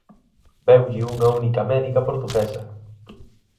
¡Veulle unha única médica portuguesa!